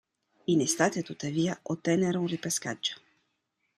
In estate tuttavia ottennero un ripescaggio.